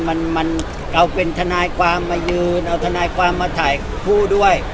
มันเราเป็นทนายความมายืนเอาทนายความมาถ่ายคู่ด้วย